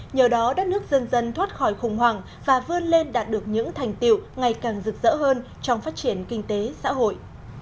nhờ đó đất nước dân dân thoát khỏi khủng hoảng và vươn lên đạt được những thành tiệu ngày càng rực rỡ hơn trong phát triển kinh tế xã hội